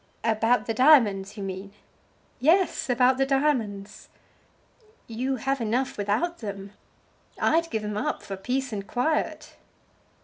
"About the diamonds, you mean?" "Yes; about the diamonds." "You have enough without them. I'd give 'em up for peace and quiet."